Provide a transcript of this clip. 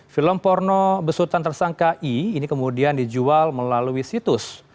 film porno besutan tersangka i ini kemudian dijual melalui situs